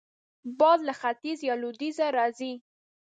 باد له ختیځ یا لوېدیځه راځي